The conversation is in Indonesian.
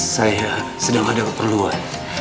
saya sedang ada keperluan